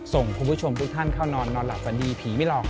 ส่งคุณผู้ชมทุกท่านเข้านอนนอนหลับฝันดีผีไม่หลอก